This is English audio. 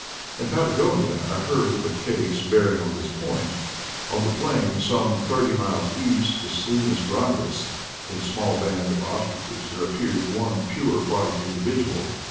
In Patagonia I heard of a case bearing on this point. On the plain some thirty miles east of Salinas Grandes, in a small band of ostriches there appeared one pure white individual.